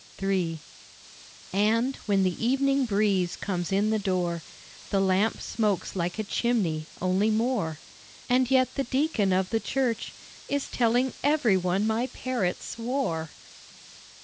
III And, when the evening breeze comes in the door, The lamp smokes like a chimney, only more; And yet the deacon of the church Is telling every one my parrot swore.